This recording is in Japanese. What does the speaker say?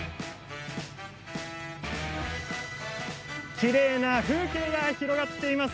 きれいな風景が広がっています。